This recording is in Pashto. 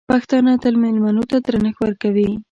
پښتانه تل مېلمنو ته درنښت ورکوي.